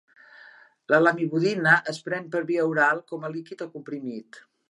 La lamivudina es pren per via oral com a líquid o comprimit.